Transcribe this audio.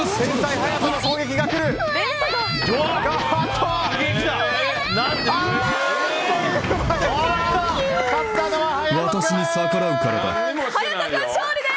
勇人君、勝利です！